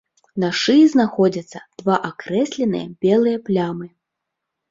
На шыі знаходзяцца два акрэсленыя белыя плямы.